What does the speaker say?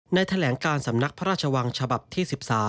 แถลงการสำนักพระราชวังฉบับที่๑๓